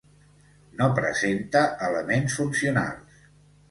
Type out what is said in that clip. No presenta elements funcionals.